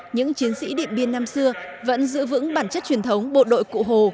những chiến sĩ điện biên năm xưa vẫn giữ vững bản chất truyền thống bộ đội cụ hồ